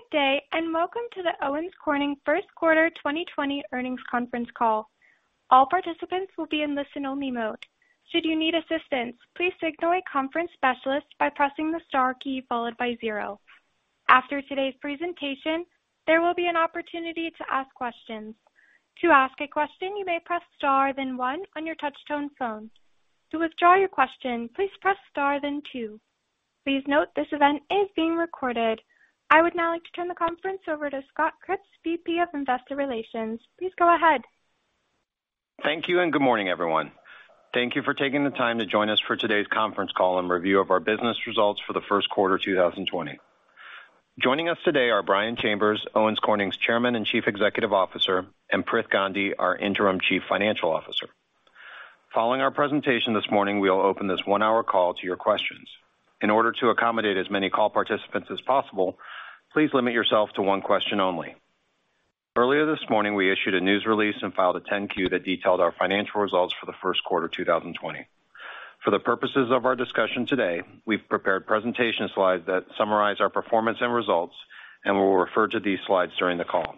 Good day, and welcome to the Owens Corning First Quarter 2020 Earnings Conference call. All participants will be in listen-only mode. Should you need assistance, please signal a conference specialist by pressing the star key followed by zero. After today's presentation, there will be an opportunity to ask questions. To ask a question, you may press star then one on your touch-tone phone. To withdraw your question, please press star then two. Please note this event is being recorded. I would now like to turn the conference over to Scott Cripps, VP of Investor Relations. Please go ahead. Thank you, and good morning, everyone. Thank you for taking the time to join us for today's conference call and review of our business results for the first quarter 2020. Joining us today are Brian Chambers, Owens Corning's Chairman and Chief Executive Officer, and Prith Gandhi, our Interim Chief Financial Officer. Following our presentation this morning, we'll open this one-hour call to your questions. In order to accommodate as many call participants as possible, please limit yourself to one question only. Earlier this morning, we issued a news release and filed a 10-Q that detailed our financial results for the first quarter 2020. For the purposes of our discussion today, we've prepared presentation slides that summarize our performance and results, and we'll refer to these slides during the call.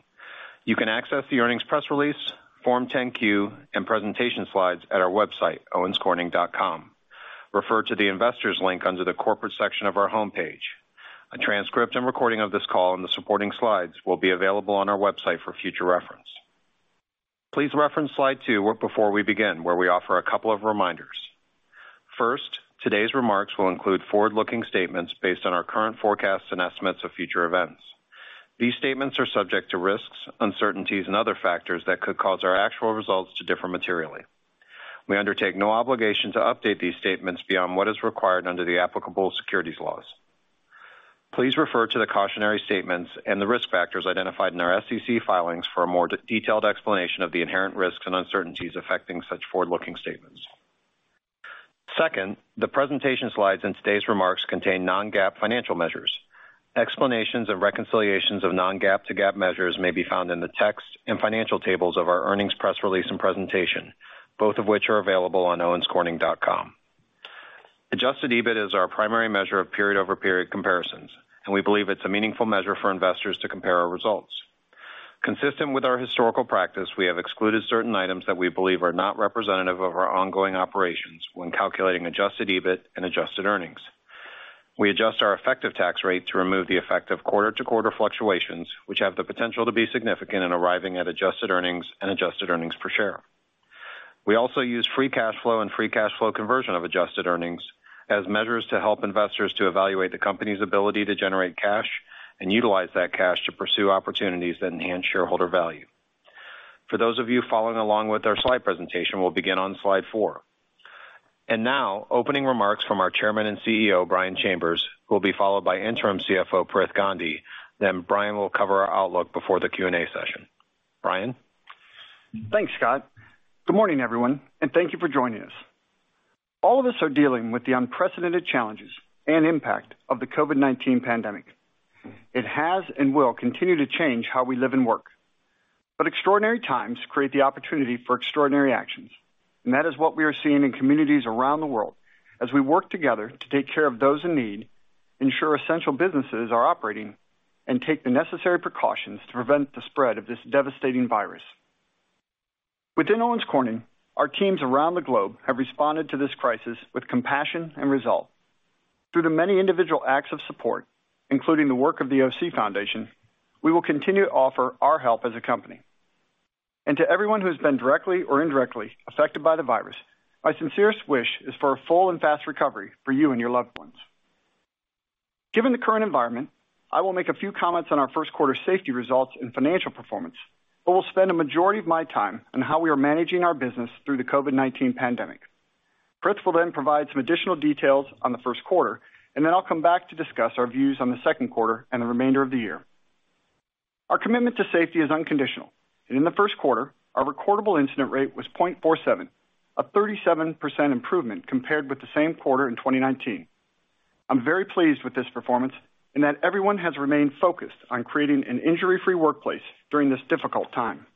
You can access the earnings press release, Form 10-Q, and presentation slides at our website, owenscorning.com. Refer to the Investors link under the Corporate section of our homepage. A transcript and recording of this call and the supporting slides will be available on our website for future reference. Please reference slide two before we begin, where we offer a couple of reminders. First, today's remarks will include forward-looking statements based on our current forecasts and estimates of future events. These statements are subject to risks, uncertainties, and other factors that could cause our actual results to differ materially. We undertake no obligation to update these statements beyond what is required under the applicable securities laws. Please refer to the cautionary statements and the risk factors identified in our SEC filings for a more detailed explanation of the inherent risks and uncertainties affecting such forward-looking statements. Second, the presentation slides and today's remarks contain non-GAAP financial measures. Explanations and reconciliations of non-GAAP to GAAP measures may be found in the text and financial tables of our earnings press release and presentation, both of which are available on owenscorning.com. Adjusted EBIT is our primary measure of period-over-period comparisons, and we believe it's a meaningful measure for investors to compare our results. Consistent with our historical practice, we have excluded certain items that we believe are not representative of our ongoing operations when calculating adjusted EBIT and adjusted earnings. We adjust our effective tax rate to remove the effect of quarter-to-quarter fluctuations, which have the potential to be significant in arriving at adjusted earnings and adjusted earnings per share. We also use free cash flow and free cash flow conversion of adjusted earnings as measures to help investors to evaluate the company's ability to generate cash and utilize that cash to pursue opportunities that enhance shareholder value. For those of you following along with our slide presentation, we'll begin on slide four. And now, opening remarks from our Chairman and CEO, Brian Chambers, will be followed by Interim CFO, Prith Gandhi. Then Brian will cover our outlook before the Q&A session. Brian? Thanks, Scott. Good morning, everyone, and thank you for joining us. All of us are dealing with the unprecedented challenges and impact of the COVID-19 pandemic. It has and will continue to change how we live and work. But extraordinary times create the opportunity for extraordinary actions, and that is what we are seeing in communities around the world as we work together to take care of those in need, ensure essential businesses are operating, and take the necessary precautions to prevent the spread of this devastating virus. Within Owens Corning, our teams around the globe have responded to this crisis with compassion and resolve. Through the many individual acts of support, including the work of the OC Foundation, we will continue to offer our help as a company. To everyone who has been directly or indirectly affected by the virus, my sincerest wish is for a full and fast recovery for you and your loved ones. Given the current environment, I will make a few comments on our first quarter safety results and financial performance, but will spend a majority of my time on how we are managing our business through the COVID-19 pandemic. Prith will then provide some additional details on the first quarter, and then I'll come back to discuss our views on the second quarter and the remainder of the year. Our commitment to safety is unconditional, and in the first quarter, our recordable incident rate was 0.47, a 37% improvement compared with the same quarter in 2019. I'm very pleased with this performance and that everyone has remained focused on creating an injury-free workplace during this difficult time.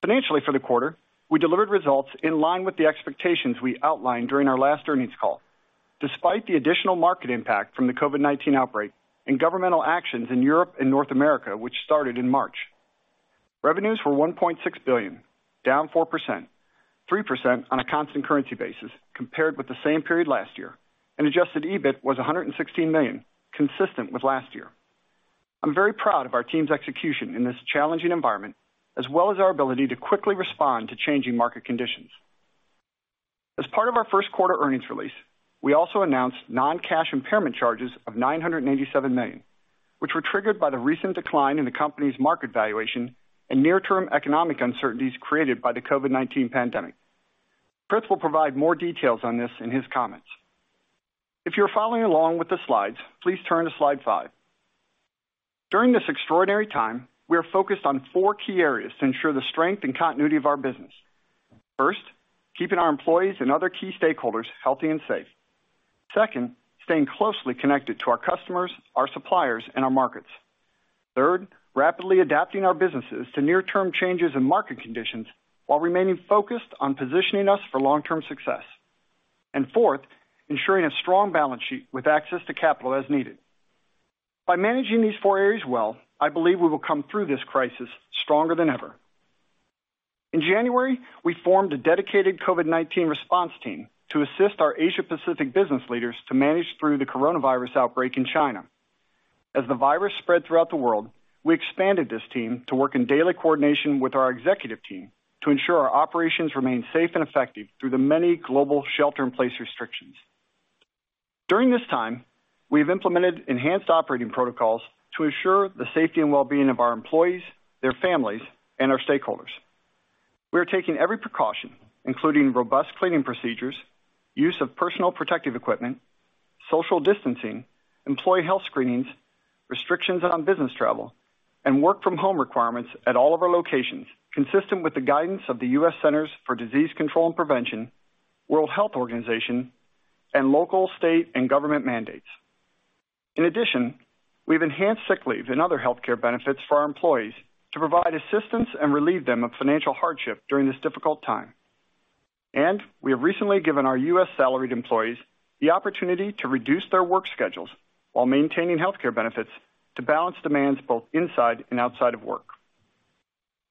Financially, for the quarter, we delivered results in line with the expectations we outlined during our last earnings call, despite the additional market impact from the COVID-19 outbreak and governmental actions in Europe and North America, which started in March. Revenues were $1.6 billion, down 4%, 3% on a constant currency basis compared with the same period last year, and adjusted EBIT was $116 million, consistent with last year. I'm very proud of our team's execution in this challenging environment, as well as our ability to quickly respond to changing market conditions. As part of our first quarter earnings release, we also announced non-cash impairment charges of $987 million, which were triggered by the recent decline in the company's market valuation and near-term economic uncertainties created by the COVID-19 pandemic. Prith will provide more details on this in his comments. If you're following along with the slides, please turn to slide five. During this extraordinary time, we are focused on four key areas to ensure the strength and continuity of our business. First, keeping our employees and other key stakeholders healthy and safe. Second, staying closely connected to our customers, our suppliers, and our markets. Third, rapidly adapting our businesses to near-term changes in market conditions while remaining focused on positioning us for long-term success, and fourth, ensuring a strong balance sheet with access to capital as needed. By managing these four areas well, I believe we will come through this crisis stronger than ever. In January, we formed a dedicated COVID-19 response team to assist our Asia-Pacific business leaders to manage through the coronavirus outbreak in China. As the virus spread throughout the world, we expanded this team to work in daily coordination with our executive team to ensure our operations remain safe and effective through the many global shelter-in-place restrictions. During this time, we have implemented enhanced operating protocols to ensure the safety and well-being of our employees, their families, and our stakeholders. We are taking every precaution, including robust cleaning procedures, use of personal protective equipment, social distancing, employee health screenings, restrictions on business travel, and work-from-home requirements at all of our locations, consistent with the guidance of the U.S. Centers for Disease Control and Prevention, World Health Organization, and local, state, and government mandates. In addition, we've enhanced sick leave and other healthcare benefits for our employees to provide assistance and relieve them of financial hardship during this difficult time. And we have recently given our U.S. salaried employees the opportunity to reduce their work schedules while maintaining healthcare benefits to balance demands both inside and outside of work.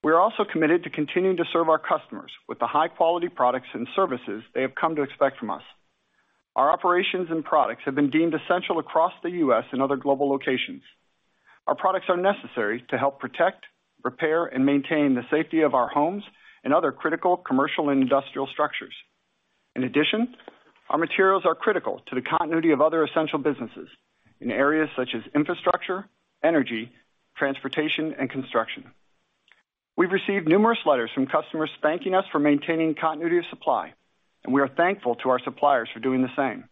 We are also committed to continuing to serve our customers with the high-quality products and services they have come to expect from us. Our operations and products have been deemed essential across the U.S. and other global locations. Our products are necessary to help protect, repair, and maintain the safety of our homes and other critical commercial and industrial structures. In addition, our materials are critical to the continuity of other essential businesses in areas such as infrastructure, energy, transportation, and construction. We've received numerous letters from customers thanking us for maintaining continuity of supply, and we are thankful to our suppliers for doing the same.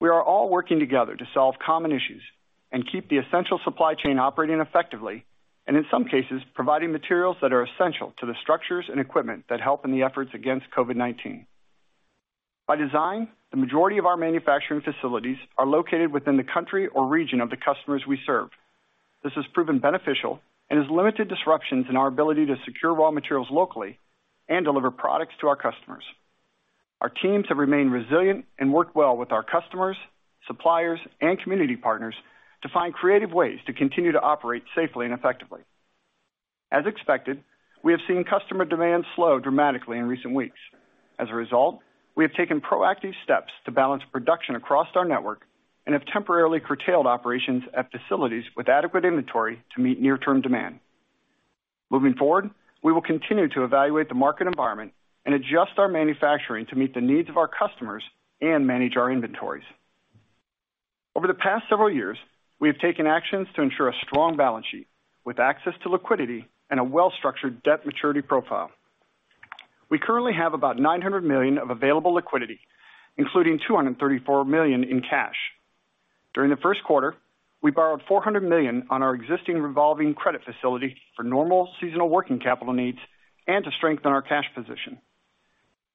We are all working together to solve common issues and keep the essential supply chain operating effectively, and in some cases, providing materials that are essential to the structures and equipment that help in the efforts against COVID-19. By design, the majority of our manufacturing facilities are located within the country or region of the customers we serve. This has proven beneficial and has limited disruptions in our ability to secure raw materials locally and deliver products to our customers. Our teams have remained resilient and worked well with our customers, suppliers, and community partners to find creative ways to continue to operate safely and effectively. As expected, we have seen customer demand slow dramatically in recent weeks. As a result, we have taken proactive steps to balance production across our network and have temporarily curtailed operations at facilities with adequate inventory to meet near-term demand. Moving forward, we will continue to evaluate the market environment and adjust our manufacturing to meet the needs of our customers and manage our inventories. Over the past several years, we have taken actions to ensure a strong balance sheet with access to liquidity and a well-structured debt maturity profile. We currently have about $900 million of available liquidity, including $234 million in cash. During the first quarter, we borrowed $400 million on our existing revolving credit facility for normal seasonal working capital needs and to strengthen our cash position.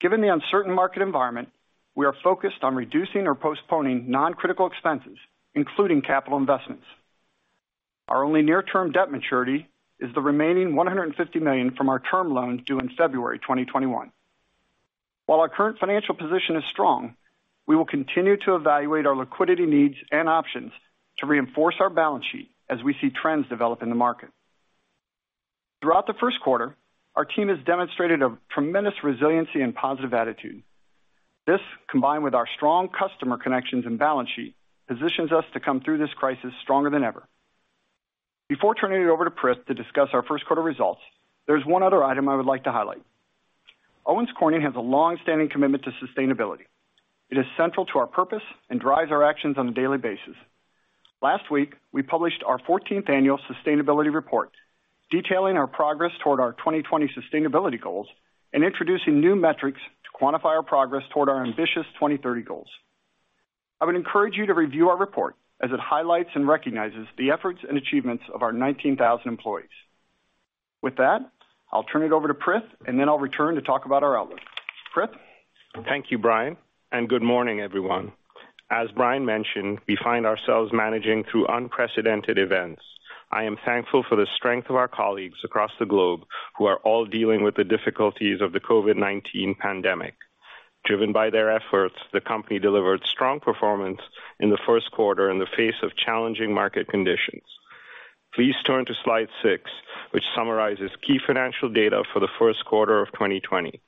Given the uncertain market environment, we are focused on reducing or postponing non-critical expenses, including capital investments. Our only near-term debt maturity is the remaining $150 million from our term loan due in February 2021. While our current financial position is strong, we will continue to evaluate our liquidity needs and options to reinforce our balance sheet as we see trends develop in the market. Throughout the first quarter, our team has demonstrated a tremendous resiliency and positive attitude. This, combined with our strong customer connections and balance sheet, positions us to come through this crisis stronger than ever. Before turning it over to Prith to discuss our first quarter results, there's one other item I would like to highlight. Owens Corning has a long-standing commitment to sustainability. It is central to our purpose and drives our actions on a daily basis. Last week, we published our 14th annual sustainability report, detailing our progress toward our 2020 sustainability goals and introducing new metrics to quantify our progress toward our ambitious 2030 goals. I would encourage you to review our report as it highlights and recognizes the efforts and achievements of our 19,000 employees. With that, I'll turn it over to Prith, and then I'll return to talk about our outlook. Prith? Thank you, Brian, and good morning, everyone. As Brian mentioned, we find ourselves managing through unprecedented events. I am thankful for the strength of our colleagues across the globe who are all dealing with the difficulties of the COVID-19 pandemic. Driven by their efforts, the company delivered strong performance in the first quarter in the face of challenging market conditions. Please turn to slide six, which summarizes key financial data for the first quarter of 2020.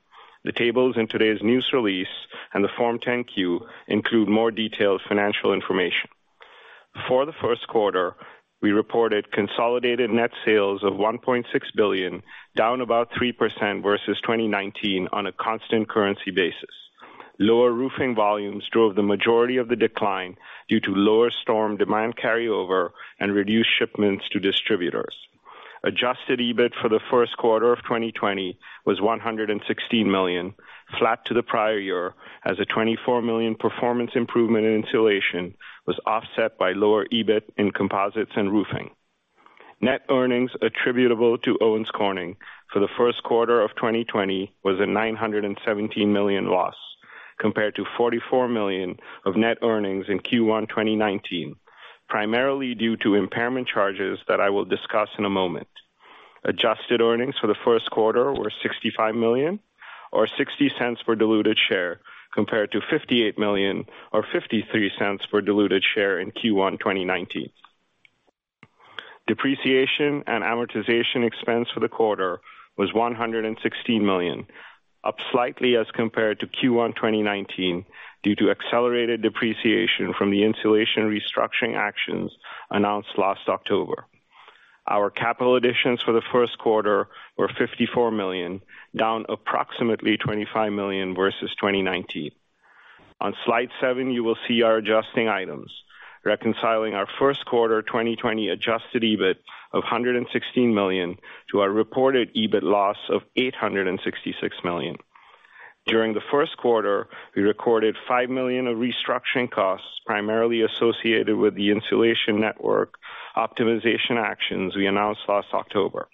The tables in today's news release and the Form 10-Q include more detailed financial information. For the first quarter, we reported consolidated net sales of $1.6 billion, down about 3% versus 2019 on a constant currency basis. Lower Roofing volumes drove the majority of the decline due to lower storm demand carryover and reduced shipments to distributors. Adjusted EBIT for the first quarter of 2020 was $116 million, flat to the prior year as a $24 million performance improvement in Insulation was offset by lower EBIT in Composites and Roofing. Net earnings attributable to Owens Corning for the first quarter of 2020 was a $917 million loss compared to $44 million of net earnings in Q1 2019, primarily due to impairment charges that I will discuss in a moment. Adjusted earnings for the first quarter were $65 million, or $0.60 per diluted share, compared to $58 million, or $0.53 per diluted share in Q1 2019. Depreciation and amortization expense for the quarter was $116 million, up slightly as compared to Q1 2019 due to accelerated depreciation from the Insulation restructuring actions announced last October. Our capital additions for the first quarter were $54 million, down approximately $25 million versus 2019. On slide seven, you will see our adjusting items, reconciling our first quarter 2020 adjusted EBIT of $116 million to our reported EBIT loss of $866 million. During the first quarter, we recorded $5 million of restructuring costs primarily associated with the Insulation network optimization actions we announced last October.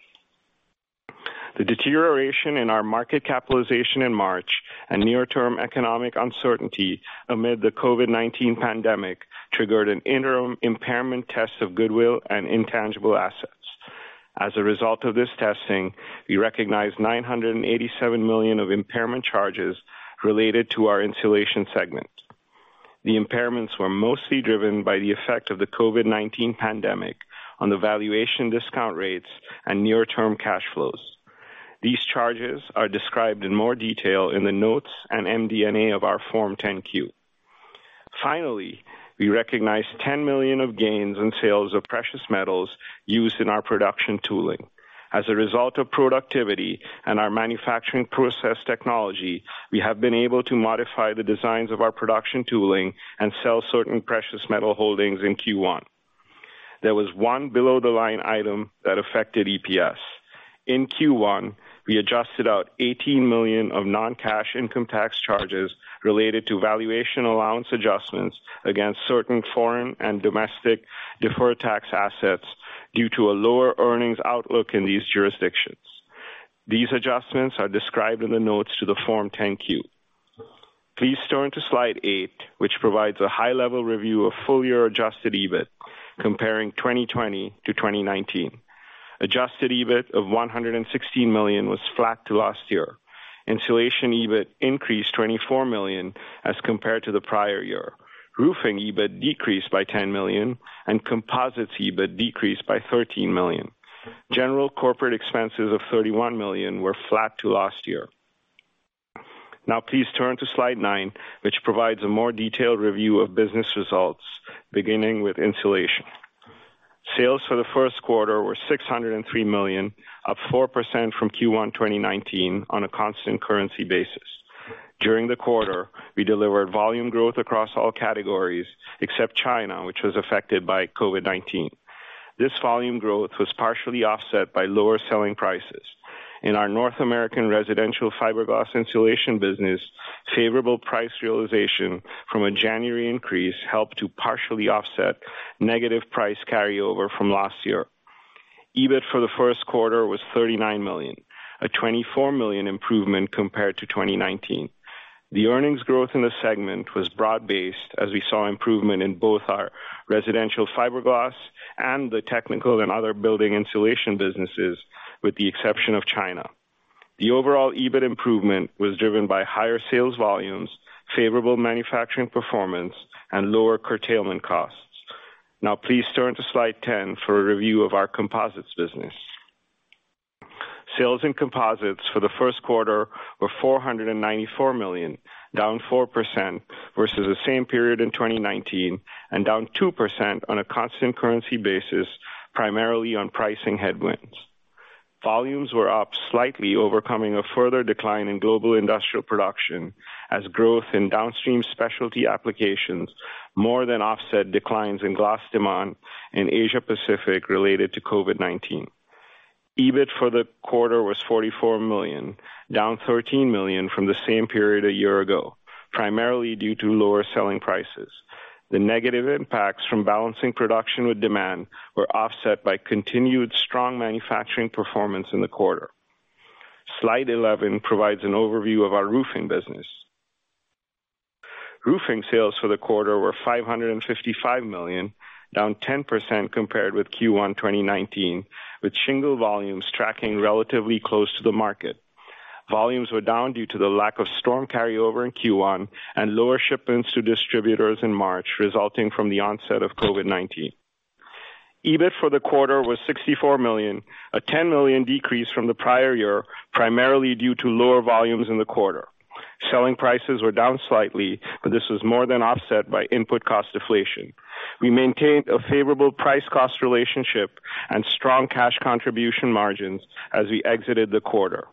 The deterioration in our market capitalization in March and near-term economic uncertainty amid the COVID-19 pandemic triggered an interim impairment test of goodwill and intangible assets. As a result of this testing, we recognized $987 million of impairment charges related to our Insulation segment. The impairments were mostly driven by the effect of the COVID-19 pandemic on the valuation discount rates and near-term cash flows. These charges are described in more detail in the notes and MD&A of our Form 10-Q. Finally, we recognized $10 million of gains in sales of precious metals used in our production tooling. As a result of productivity and our manufacturing process technology, we have been able to modify the designs of our production tooling and sell certain precious metal holdings in Q1. There was one below-the-line item that affected EPS. In Q1, we adjusted out $18 million of non-cash income tax charges related to valuation allowance adjustments against certain foreign and domestic deferred tax assets due to a lower earnings outlook in these jurisdictions. These adjustments are described in the notes to the Form 10-Q. Please turn to slide eight, which provides a high-level review of full-year adjusted EBIT comparing 2020 to 2019. Adjusted EBIT of $116 million was flat to last year. Insulation EBIT increased $24 million as compared to the prior year. Roofing EBIT decreased by $10 million, and Composites EBIT decreased by $13 million. General corporate expenses of $31 million were flat to last year. Now, please turn to slide nine, which provides a more detailed review of business results, beginning with Insulation. Sales for the first quarter were $603 million, up 4% from Q1 2019 on a constant currency basis. During the quarter, we delivered volume growth across all categories except China, which was affected by COVID-19. This volume growth was partially offset by lower selling prices. In our North American residential fiberglass Insulation business, favorable price realization from a January increase helped to partially offset negative price carryover from last year. EBIT for the first quarter was $39 million, a $24 million improvement compared to 2019. The earnings growth in the segment was broad-based, as we saw improvement in both our residential fiberglass and the technical and other building Insulation businesses, with the exception of China. The overall EBIT improvement was driven by higher sales volumes, favorable manufacturing performance, and lower curtailment costs. Now, please turn to slide ten for a review of our Composites business. Sales in Composites for the first quarter were $494 million, down 4% versus the same period in 2019, and down 2% on a constant currency basis, primarily on pricing headwinds. Volumes were up slightly, overcoming a further decline in global industrial production as growth in downstream specialty applications more than offset declines in glass demand in Asia-Pacific related to COVID-19. EBIT for the quarter was $44 million, down $13 million from the same period a year ago, primarily due to lower selling prices. The negative impacts from balancing production with demand were offset by continued strong manufacturing performance in the quarter. Slide 11 provides an overview of our Roofing business. Roofing sales for the quarter were $555 million, down 10% compared with Q1 2019, with shingle volumes tracking relatively close to the market. Volumes were down due to the lack of storm carryover in Q1 and lower shipments to distributors in March, resulting from the onset of COVID-19. EBIT for the quarter was $64 million, a $10 million decrease from the prior year, primarily due to lower volumes in the quarter. Selling prices were down slightly, but this was more than offset by input cost deflation. We maintained a favorable price-cost relationship and strong cash contribution margins as we exited the quarter.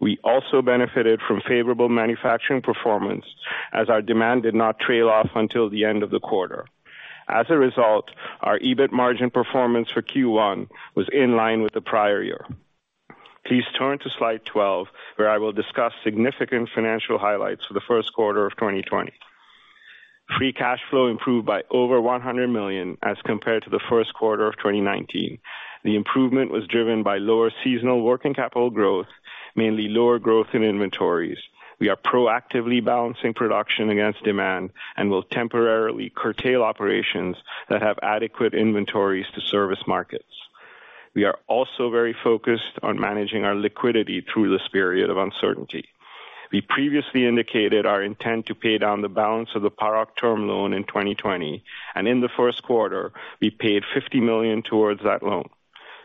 We also benefited from favorable manufacturing performance as our demand did not trail off until the end of the quarter. As a result, our EBIT margin performance for Q1 was in line with the prior year. Please turn to slide 12, where I will discuss significant financial highlights for the first quarter of 2020. Free cash flow improved by over $100 million as compared to the first quarter of 2019. The improvement was driven by lower seasonal working capital growth, mainly lower growth in inventories. We are proactively balancing production against demand and will temporarily curtail operations that have adequate inventories to service markets. We are also very focused on managing our liquidity through this period of uncertainty. We previously indicated our intent to pay down the balance of the Paroc term loan in 2020, and in the first quarter, we paid $50 million towards that loan.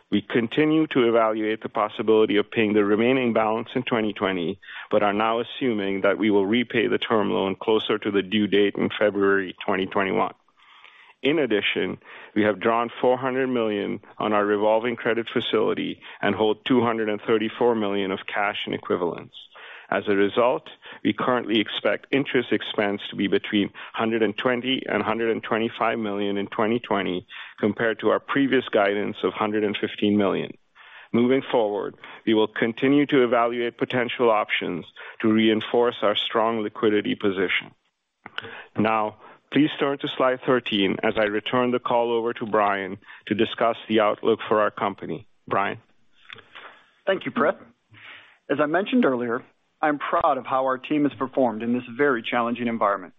We continue to evaluate the possibility of paying the remaining balance in 2020, but are now assuming that we will repay the term loan closer to the due date in February 2021. In addition, we have drawn $400 million on our revolving credit facility and hold $234 million of cash and equivalents. As a result, we currently expect interest expense to be between $120 million and $125 million in 2020 compared to our previous guidance of $115 million. Moving forward, we will continue to evaluate potential options to reinforce our strong liquidity position. Now, please turn to slide 13 as I return the call over to Brian to discuss the outlook for our company. Brian. Thank you, Prith. As I mentioned earlier, I'm proud of how our team has performed in this very challenging environment.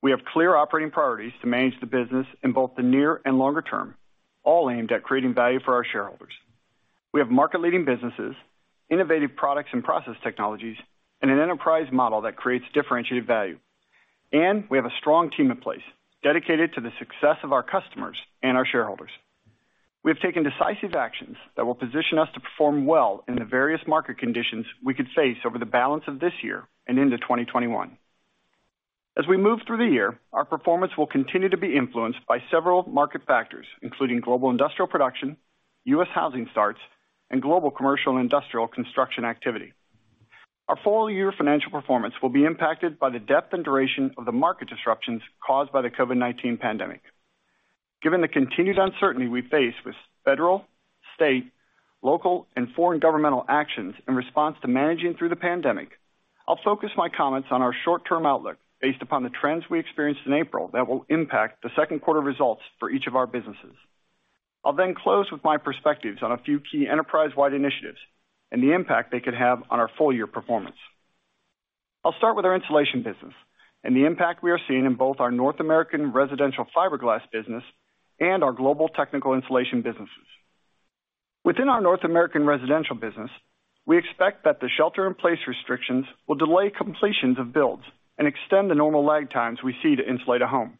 We have clear operating priorities to manage the business in both the near and longer term, all aimed at creating value for our shareholders. We have market-leading businesses, innovative products and process technologies, and an enterprise model that creates differentiated value, and we have a strong team in place dedicated to the success of our customers and our shareholders. We have taken decisive actions that will position us to perform well in the various market conditions we could face over the balance of this year and into 2021. As we move through the year, our performance will continue to be influenced by several market factors, including global industrial production, U.S. housing starts, and global commercial and industrial construction activity. Our full-year financial performance will be impacted by the depth and duration of the market disruptions caused by the COVID-19 pandemic. Given the continued uncertainty we face with federal, state, local, and foreign governmental actions in response to managing through the pandemic, I'll focus my comments on our short-term outlook based upon the trends we experienced in April that will impact the second quarter results for each of our businesses. I'll then close with my perspectives on a few key enterprise-wide initiatives and the impact they could have on our full-year performance. I'll start with our Insulation business and the impact we are seeing in both our North American residential fiberglass business and our global technical Insulation businesses. Within our North American residential business, we expect that the shelter-in-place restrictions will delay completions of builds and extend the normal lag times we see to insulate a home.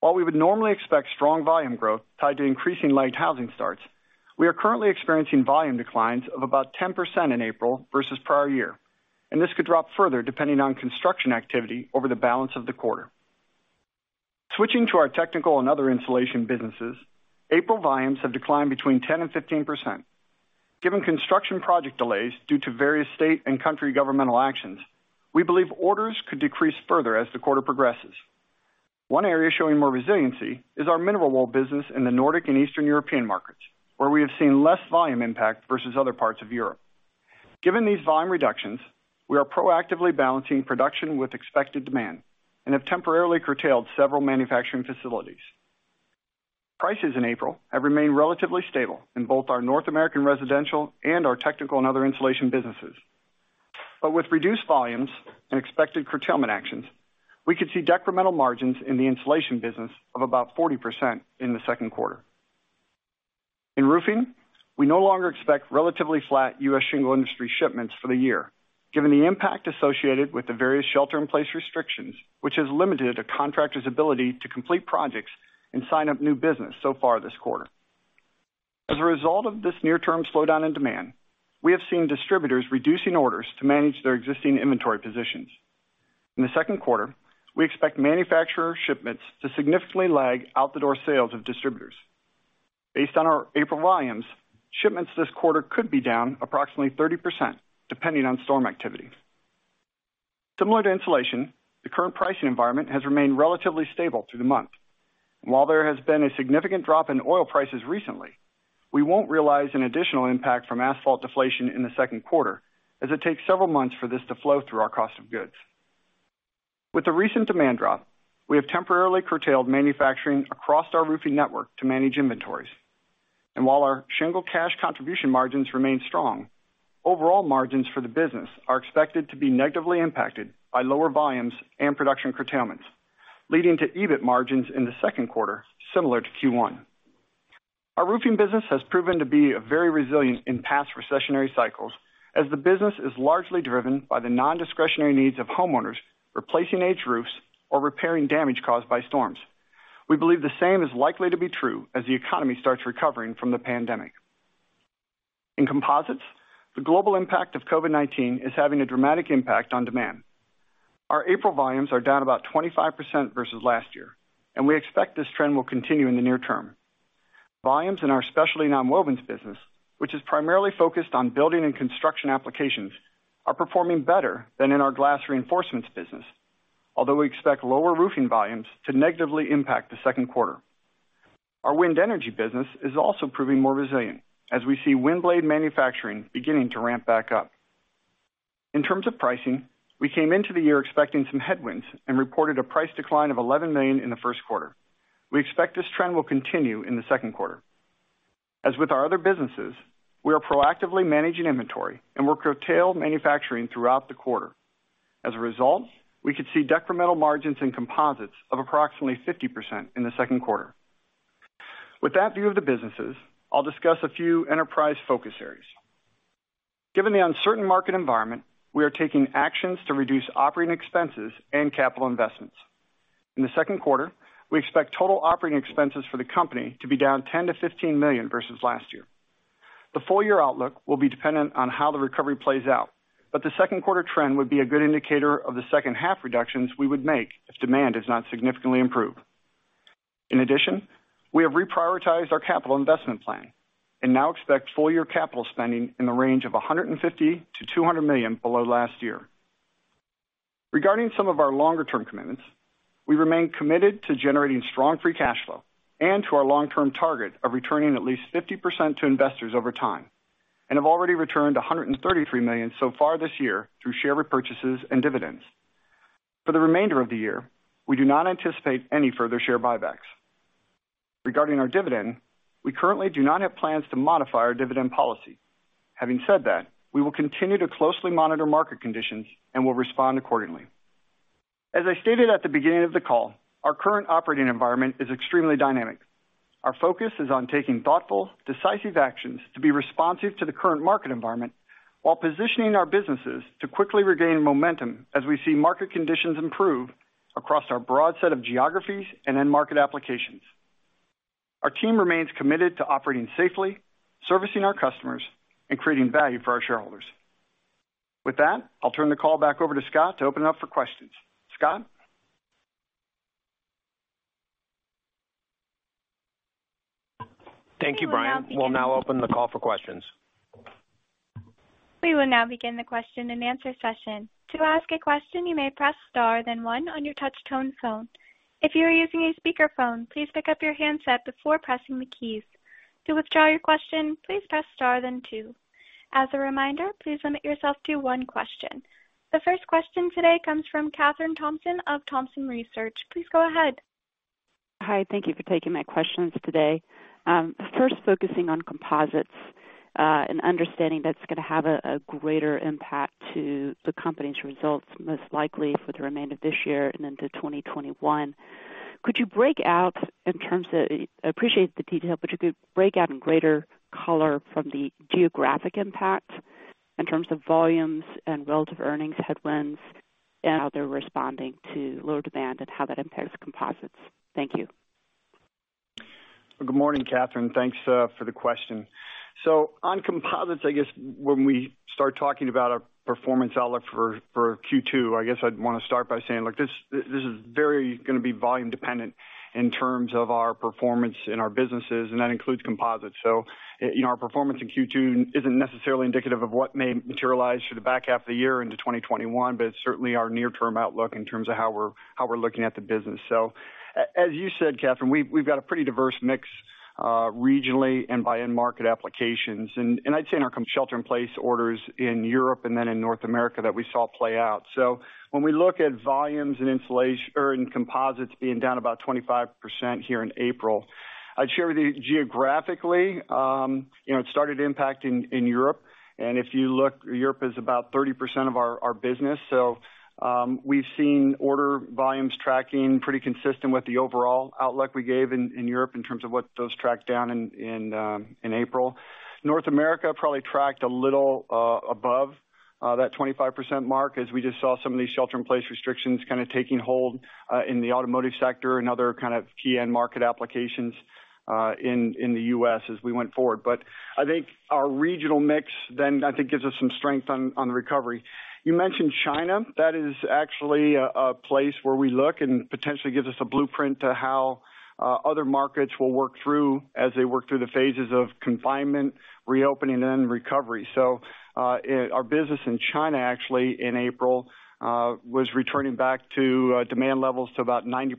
While we would normally expect strong volume growth tied to increasing light housing starts, we are currently experiencing volume declines of about 10% in April versus prior year, and this could drop further depending on construction activity over the balance of the quarter. Switching to our technical and other Insulation businesses, April volumes have declined between 10% and 15%. Given construction project delays due to various state and country governmental actions, we believe orders could decrease further as the quarter progresses. One area showing more resiliency is our mineral wool business in the Nordic and Eastern European markets, where we have seen less volume impact versus other parts of Europe. Given these volume reductions, we are proactively balancing production with expected demand and have temporarily curtailed several manufacturing facilities. Prices in April have remained relatively stable in both our North American residential and our technical and other Insulation businesses. But with reduced volumes and expected curtailment actions, we could see decremental margins in the Insulation business of about 40% in the second quarter. In Roofing, we no longer expect relatively flat U.S. shingle industry shipments for the year, given the impact associated with the various shelter-in-place restrictions, which has limited a contractor's ability to complete projects and sign up new business so far this quarter. As a result of this near-term slowdown in demand, we have seen distributors reducing orders to manage their existing inventory positions. In the second quarter, we expect manufacturer shipments to significantly lag out-the-door sales of distributors. Based on our April volumes, shipments this quarter could be down approximately 30%, depending on storm activity. Similar to Insulation, the current pricing environment has remained relatively stable through the month. While there has been a significant drop in oil prices recently, we won't realize an additional impact from asphalt deflation in the second quarter, as it takes several months for this to flow through our cost of goods. With the recent demand drop, we have temporarily curtailed manufacturing across our Roofing network to manage inventories. And while our shingle cash contribution margins remain strong, overall margins for the business are expected to be negatively impacted by lower volumes and production curtailments, leading to EBIT margins in the second quarter similar to Q1. Our Roofing business has proven to be very resilient in past recessionary cycles, as the business is largely driven by the non-discretionary needs of homeowners replacing aged roofs or repairing damage caused by storms. We believe the same is likely to be true as the economy starts recovering from the pandemic. In Composites, the global impact of COVID-19 is having a dramatic impact on demand. Our April volumes are down about 25% versus last year, and we expect this trend will continue in the near term. Volumes in our specialty non-woven business, which is primarily focused on building and construction applications, are performing better than in our glass reinforcements business, although we expect lower Roofing volumes to negatively impact the second quarter. Our wind energy business is also proving more resilient, as we see wind blade manufacturing beginning to ramp back up. In terms of pricing, we came into the year expecting some headwinds and reported a price decline of $11 million in the first quarter. We expect this trend will continue in the second quarter. As with our other businesses, we are proactively managing inventory and will curtail manufacturing throughout the quarter. As a result, we could see decremental margins in Composites of approximately 50% in the second quarter. With that view of the businesses, I'll discuss a few enterprise focus areas. Given the uncertain market environment, we are taking actions to reduce operating expenses and capital investments. In the second quarter, we expect total operating expenses for the company to be down $10 million-$15 million versus last year. The full-year outlook will be dependent on how the recovery plays out, but the second quarter trend would be a good indicator of the second half reductions we would make if demand is not significantly improved. In addition, we have reprioritized our capital investment plan and now expect full-year capital spending in the range of $150 million-$200 million below last year. Regarding some of our longer-term commitments, we remain committed to generating strong free cash flow and to our long-term target of returning at least 50% to investors over time and have already returned $133 million so far this year through share repurchases and dividends. For the remainder of the year, we do not anticipate any further share buybacks. Regarding our dividend, we currently do not have plans to modify our dividend policy. Having said that, we will continue to closely monitor market conditions and will respond accordingly. As I stated at the beginning of the call, our current operating environment is extremely dynamic. Our focus is on taking thoughtful, decisive actions to be responsive to the current market environment while positioning our businesses to quickly regain momentum as we see market conditions improve across our broad set of geographies and end market applications. Our team remains committed to operating safely, servicing our customers, and creating value for our shareholders. With that, I'll turn the call back over to Scott to open up for questions. Scott. Thank you, Brian. We'll now open the call for questions. We will now begin the question and answer session. To ask a question, you may press star then one on your touch-tone phone. If you are using a speakerphone, please pick up your handset before pressing the keys. To withdraw your question, please press star then two. As a reminder, please limit yourself to one question. The first question today comes from Kathryn Thompson of Thompson Research. Please go ahead. Hi. Thank you for taking my questions today. First, focusing on Composites and understanding that's going to have a greater impact to the company's results most likely for the remainder of this year and into 2021. Could you break out in terms of I appreciate the detail, but you could break out in greater color from the geographic impact in terms of volumes and relative earnings headwinds and how they're responding to lower demand and how that impacts Composites? Thank you. Good morning, Katherine. Thanks for the question. So on Composites, I guess when we start talking about our performance outlook for Q2, I guess I'd want to start by saying this is very going to be volume dependent in terms of our performance in our businesses, and that includes Composites. So our performance in Q2 isn't necessarily indicative of what may materialize for the back half of the year into 2021, but it's certainly our near-term outlook in terms of how we're looking at the business. So as you said, Katherine, we've got a pretty diverse mix regionally and by end market applications. And I'd say in our shelter-in-place orders in Europe and then in North America that we saw play out. So when we look at volumes in Composites being down about 25% here in April, I'd share with you geographically, it started impacting in Europe. And if you look, Europe is about 30% of our business. So we've seen order volumes tracking pretty consistent with the overall outlook we gave in Europe in terms of what those tracked down in April. North America probably tracked a little above that 25% mark as we just saw some of these shelter-in-place restrictions kind of taking hold in the automotive sector and other kind of key end market applications in the U.S. as we went forward. But I think our regional mix then I think gives us some strength on the recovery. You mentioned China. That is actually a place where we look and potentially gives us a blueprint to how other markets will work through as they work through the phases of confinement, reopening, and then recovery. Our business in China actually in April was returning back to demand levels to about 90%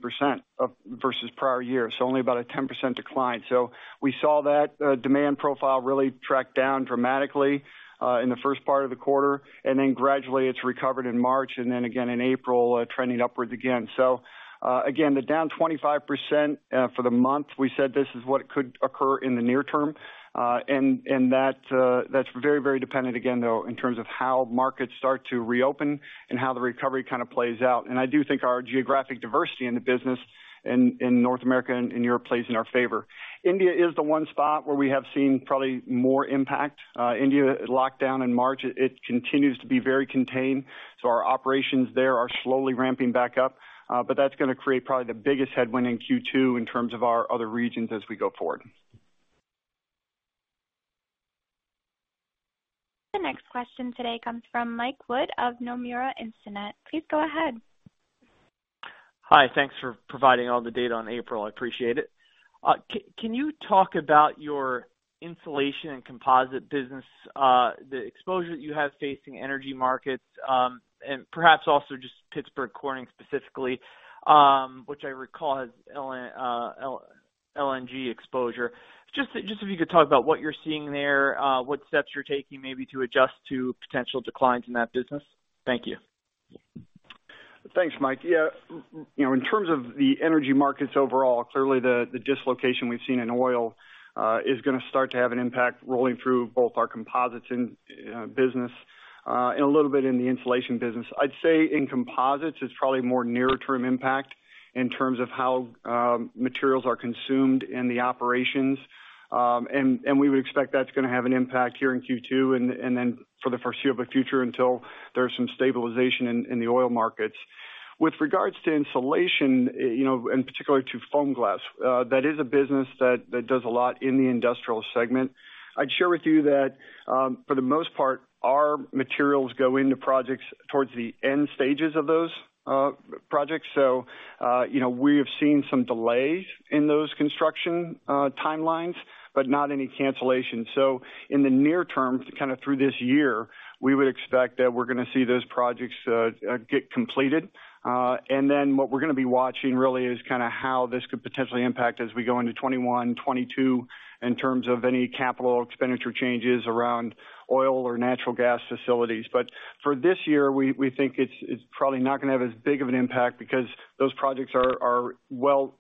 versus prior year, so only about a 10% decline. We saw that demand profile really track down dramatically in the first part of the quarter, and then gradually it's recovered in March and then again in April trending upwards again. Again, the down 25% for the month, we said this is what could occur in the near term. That's very, very dependent again, though, in terms of how markets start to reopen and how the recovery kind of plays out. I do think our geographic diversity in the business in North America and Europe plays in our favor. India is the one spot where we have seen probably more impact. India locked down in March. It continues to be very contained. So our operations there are slowly ramping back up, but that's going to create probably the biggest headwind in Q2 in terms of our other regions as we go forward. The next question today comes from Mike Wood of Nomura Instinet. Please go ahead. Hi. Thanks for providing all the data on April. I appreciate it. Can you talk about your Insulation and Composite business, the exposure that you have facing energy markets, and perhaps also just Pittsburgh Corning specifically, which I recall has LNG exposure? Just if you could talk about what you're seeing there, what steps you're taking maybe to adjust to potential declines in that business? Thank you. Thanks, Mike. Yeah. In terms of the energy markets overall, clearly the dislocation we've seen in oil is going to start to have an impact rolling through both our Composites business and a little bit in the Insulation business. I'd say in Composites, it's probably more near-term impact in terms of how materials are consumed in the operations. And we would expect that's going to have an impact here in Q2 and then for the foreseeable future until there's some stabilization in the oil markets. With regards to Insulation, in particular to FOAMGLAS, that is a business that does a lot in the industrial segment. I'd share with you that for the most part, our materials go into projects towards the end stages of those projects. So we have seen some delays in those construction timelines, but not any cancellation. So in the near term, kind of through this year, we would expect that we're going to see those projects get completed. And then what we're going to be watching really is kind of how this could potentially impact as we go into 2021, 2022 in terms of any capital expenditure changes around oil or natural gas facilities. But for this year, we think it's probably not going to have as big of an impact because those projects are well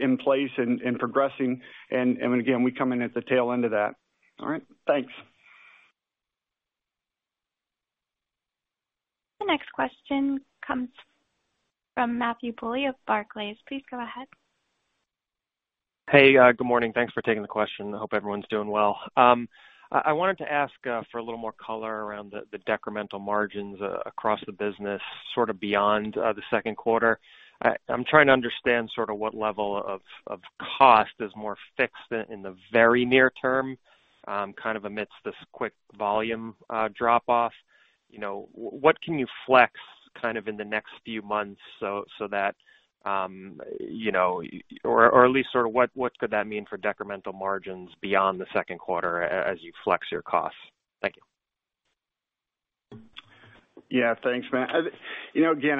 in place and progressing. And again, we come in at the tail end of that. All right. Thanks. The next question comes from Matthew Bouley of Barclays. Please go ahead. Hey, good morning. Thanks for taking the question. I hope everyone's doing well. I wanted to ask for a little more color around the decremental margins across the business sort of beyond the second quarter. I'm trying to understand sort of what level of cost is more fixed in the very near term, kind of amidst this quick volume drop-off. What can you flex kind of in the next few months so that or at least sort of what could that mean for decremental margins beyond the second quarter as you flex your costs? Thank you. Yeah. Thanks, Matt. Again,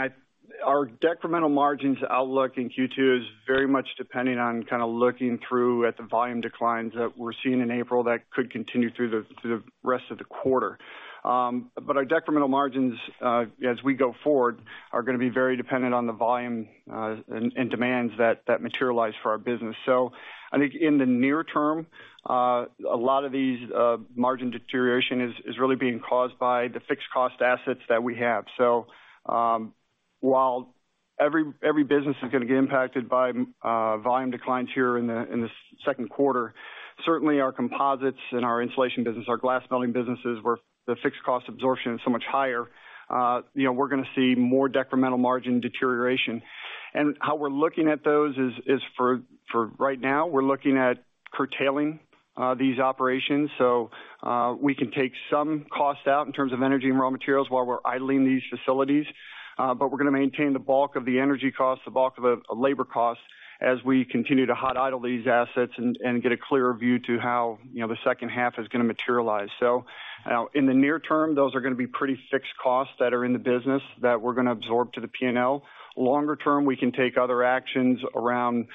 our decremental margins outlook in Q2 is very much depending on kind of looking through at the volume declines that we're seeing in April that could continue through the rest of the quarter. But our decremental margins as we go forward are going to be very dependent on the volume and demands that materialize for our business. So I think in the near term, a lot of these margin deterioration is really being caused by the fixed cost assets that we have. So while every business is going to get impacted by volume declines here in the second quarter, certainly our Composites and our Insulation business, our glass melting businesses where the fixed cost absorption is so much higher, we're going to see more decremental margin deterioration. How we're looking at those is for right now, we're looking at curtailing these operations so we can take some costs out in terms of energy and raw materials while we're idling these facilities. But we're going to maintain the bulk of the energy costs, the bulk of the labor costs as we continue to hot idle these assets and get a clearer view to how the second half is going to materialize. So in the near term, those are going to be pretty fixed costs that are in the business that we're going to absorb to the P&L. Longer term, we can take other actions around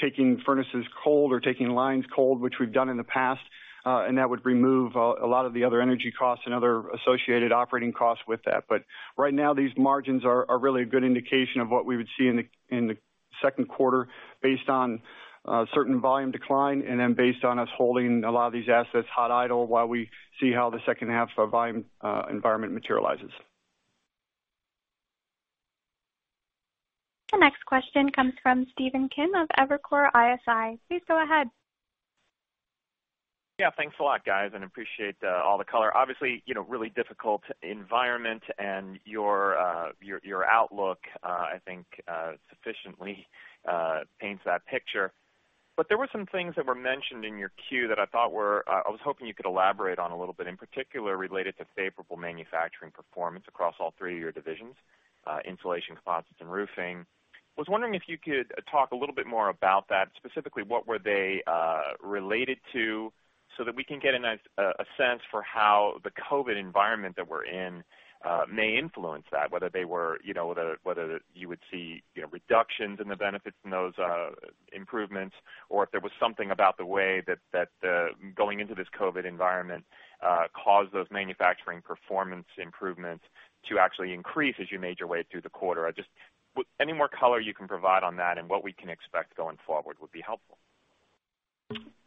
taking furnaces cold or taking lines cold, which we've done in the past, and that would remove a lot of the other energy costs and other associated operating costs with that. Right now, these margins are really a good indication of what we would see in the second quarter based on certain volume decline and then based on us holding a lot of these assets hot idle while we see how the second half of volume environment materializes. The next question comes from Stephen Kim of Evercore ISI. Please go ahead. Yeah. Thanks a lot, guys, and I appreciate all the color. Obviously, really difficult environment and your outlook, I think, sufficiently paints that picture, but there were some things that were mentioned in your queue that I thought I was hoping you could elaborate on a little bit, in particular related to favorable manufacturing performance across all three of your divisions, Insulation, Composites, and Roofing. I was wondering if you could talk a little bit more about that, specifically what were they related to so that we can get a sense for how the COVID environment that we're in may influence that, whether they were you would see reductions in the benefits in those improvements or if there was something about the way that going into this COVID environment caused those manufacturing performance improvements to actually increase as you made your way through the quarter. Just any more color you can provide on that and what we can expect going forward would be helpful.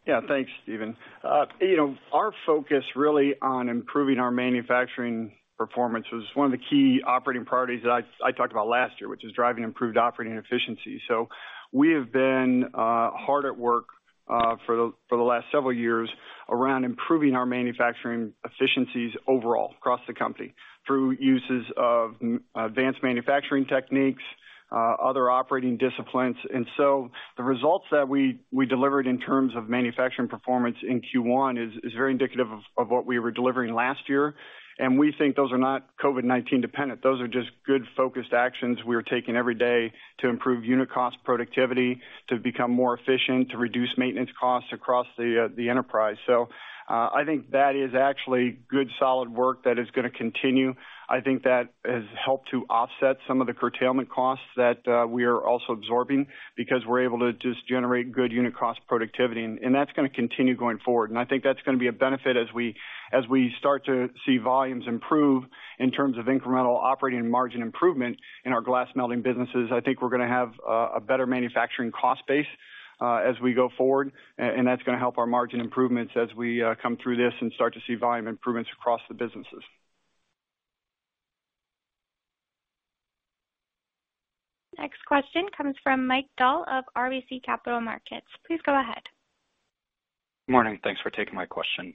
Yeah. Thanks, Stephen. Our focus really on improving our manufacturing performance was one of the key operating priorities that I talked about last year, which is driving improved operating efficiency, so we have been hard at work for the last several years around improving our manufacturing efficiencies overall across the company through uses of advanced manufacturing techniques, other operating disciplines, and so the results that we delivered in terms of manufacturing performance in Q1 is very indicative of what we were delivering last year, and we think those are not COVID-19 dependent. Those are just good focused actions we are taking every day to improve unit cost productivity, to become more efficient, to reduce maintenance costs across the enterprise, so I think that is actually good solid work that is going to continue. I think that has helped to offset some of the curtailment costs that we are also absorbing because we're able to just generate good unit cost productivity. And that's going to continue going forward. And I think that's going to be a benefit as we start to see volumes improve in terms of incremental operating margin improvement in our glass melting businesses. I think we're going to have a better manufacturing cost base as we go forward. And that's going to help our margin improvements as we come through this and start to see volume improvements across the businesses. The next question comes from Mike Dahl of RBC Capital Markets. Please go ahead. Good morning. Thanks for taking my question.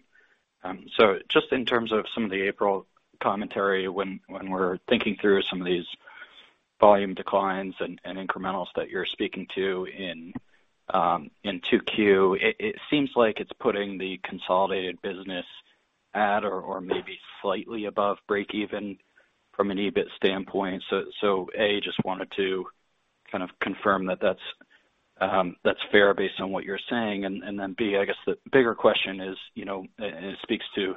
So just in terms of some of the April commentary, when we're thinking through some of these volume declines and incrementals that you're speaking to in Q2, it seems like it's putting the consolidated business at or maybe slightly above break-even from an EBIT standpoint. So A, just wanted to kind of confirm that that's fair based on what you're saying. And then B, I guess the bigger question is, and it speaks to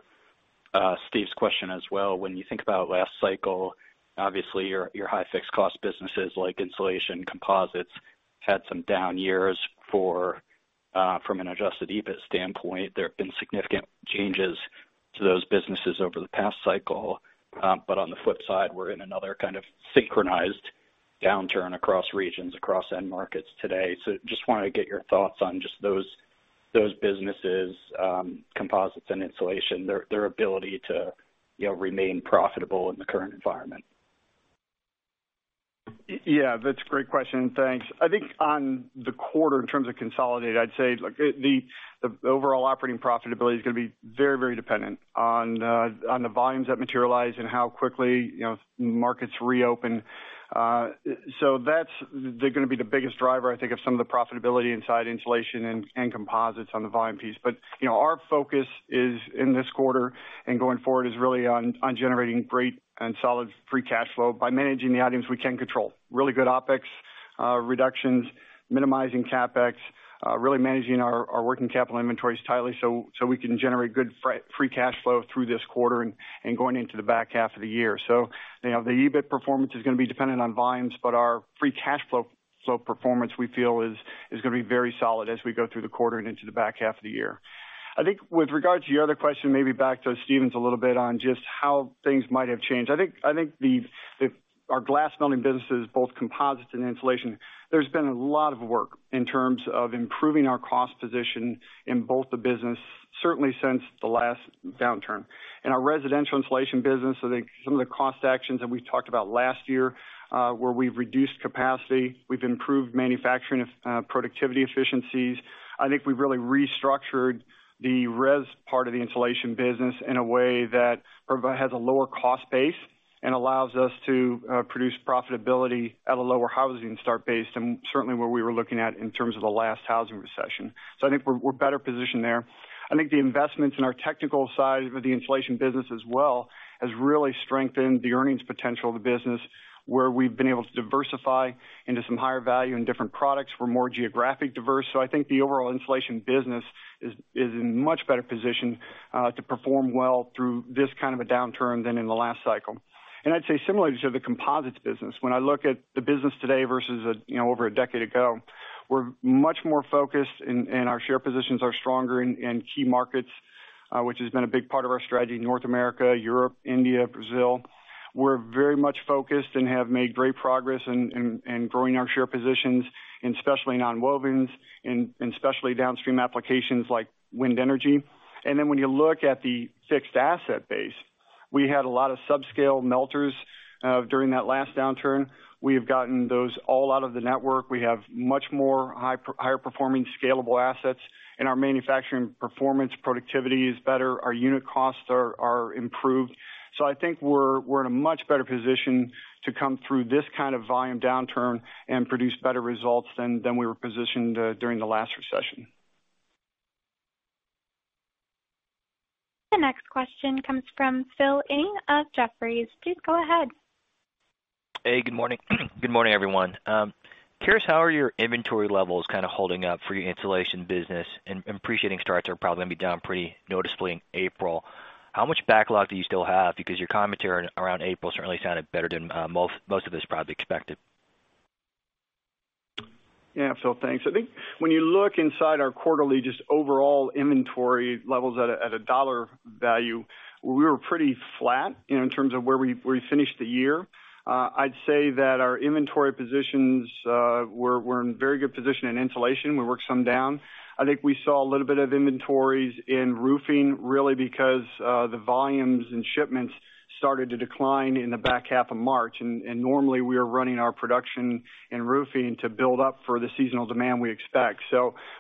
Steve's question as well. When you think about last cycle, obviously your high fixed cost businesses like Insulation, Composites had some down years from an adjusted EBIT standpoint. There have been significant changes to those businesses over the past cycle. But on the flip side, we're in another kind of synchronized downturn across regions, across end markets today. Just wanted to get your thoughts on just those businesses, Composites and Insulation, their ability to remain profitable in the current environment. Yeah. That's a great question. Thanks. I think on the quarter in terms of consolidated, I'd say the overall operating profitability is going to be very, very dependent on the volumes that materialize and how quickly markets reopen. So that's going to be the biggest driver, I think, of some of the profitability inside Insulation and Composites on the volume piece. But our focus in this quarter and going forward is really on generating great and solid free cash flow by managing the items we can control. Really good OpEx reductions, minimizing CapEx, really managing our working capital inventories tightly so we can generate good free cash flow through this quarter and going into the back half of the year. So the EBIT performance is going to be dependent on volumes, but our free cash flow performance we feel is going to be very solid as we go through the quarter and into the back half of the year. I think with regards to your other question, maybe back to Stephen's a little bit on just how things might have changed. I think our glass melting businesses, both Composites and Insulation, there's been a lot of work in terms of improving our cost position in both the business, certainly since the last downturn. In our residential Insulation business, I think some of the cost actions that we've talked about last year where we've reduced capacity, we've improved manufacturing productivity efficiencies. I think we've really restructured the res part of the Insulation business in a way that has a lower cost base and allows us to produce profitability at a lower housing start base than certainly what we were looking at in terms of the last housing recession. So I think we're better positioned there. I think the investments in our technical side of the Insulation business as well has really strengthened the earnings potential of the business where we've been able to diversify into some higher value and different products. We're more geographic diverse. So I think the overall Insulation business is in much better position to perform well through this kind of a downturn than in the last cycle. I'd say similarly to the Composites business, when I look at the business today versus over a decade ago, we're much more focused and our share positions are stronger in key markets, which has been a big part of our strategy: North America, Europe, India, Brazil. We're very much focused and have made great progress in growing our share positions, especially in non-woven and especially downstream applications like wind energy. Then when you look at the fixed asset base, we had a lot of subscale melters during that last downturn. We have gotten those all out of the network. We have much more higher performing scalable assets, and our manufacturing performance productivity is better. Our unit costs are improved. So I think we're in a much better position to come through this kind of volume downturn and produce better results than we were positioned during the last recession. The next question comes from Phil Ng of Jefferies. Please go ahead. Hey, good morning. Good morning, everyone. Curious how are your inventory levels kind of holding up for your Insulation business? I'm appreciating starts are probably going to be down pretty noticeably in April. How much backlog do you still have? Because your commentary around April certainly sounded better than most of us probably expected. Yeah. Phil, thanks. I think when you look inside our quarterly just overall inventory levels at a dollar value, we were pretty flat in terms of where we finished the year. I'd say that our inventory positions, we're in very good position in Insulation. We worked some down. I think we saw a little bit of inventories in Roofing really because the volumes and shipments started to decline in the back half of March. Normally we are running our production in Roofing to build up for the seasonal demand we expect.